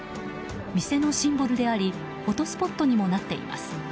店のシンボルでありフォトスポットにもなっています。